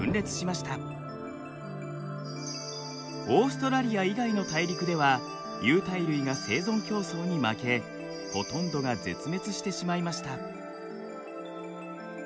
オーストラリア以外の大陸では有袋類が生存競争に負けほとんどが絶滅してしまいました。